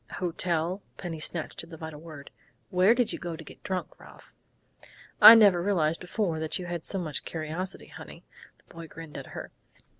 "Hotel?" Penny snatched at the vital word. "Where did you go to get drunk, Ralph?" "I never realized before you had so much curiosity, honey," the boy grinned at her.